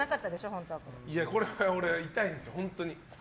俺はこれは痛いんです、本当に。